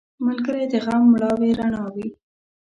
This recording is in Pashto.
ملګری د غم مړاوې رڼا وي